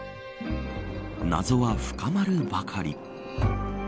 謎は深まるばかり。